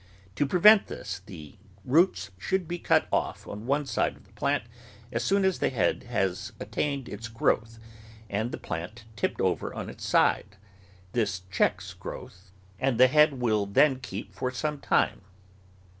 To prevent this, the roots may be cut off on one side of the plant as soon as the head has attained its growth and the plant tipped over on its side; this checks growth, and the head will then keep for some time.